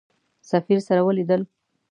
سفیر سره ولیدل.